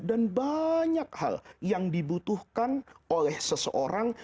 dan banyak hal yang dibutuhkan oleh seseorang